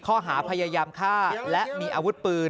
ข้อหาพยายามฆ่าและมีอาวุธปืน